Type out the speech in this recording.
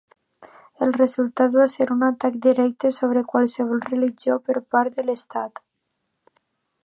El resultat va ser un atac directe sobre qualsevol religió per part de l'Estat.